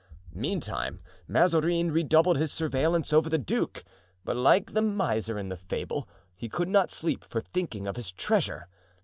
Meantime, Mazarin redoubled his surveillance over the duke. But like the miser in the fable, he could not sleep for thinking of his treasure.